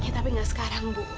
tapi gak sekarang ibu